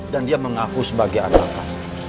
dan dia mengaku sebagai anaknya